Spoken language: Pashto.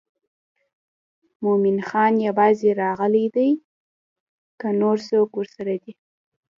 مومن خان یوازې راغلی دی که نور څوک ورسره دي.